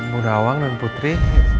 bundawang dan putri